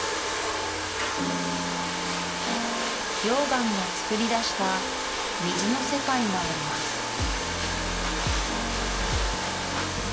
溶岩がつくり出した水の世界があります